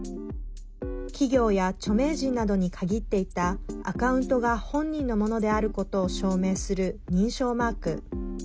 企業や著名人などに限っていたアカウントが本人のものであることを証明する認証マーク。